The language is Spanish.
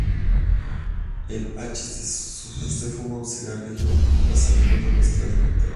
El hachís se fuma en cigarrillos o pipas, a menudo mezclado con tabaco.